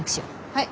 はい！